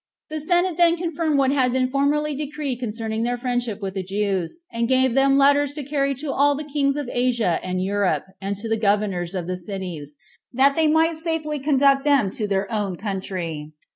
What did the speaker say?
The senate then confirmed what had been formerly decreed concerning their friendship with the Jews, and gave them letters to carry to all the kings of Asia and Europe, and to the governors of the cities, that they might safely conduct them to their own country.